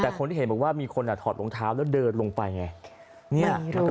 แต่คนที่เห็นบอกว่ามีคนถอดรองเท้าแล้วเดินลงไปไง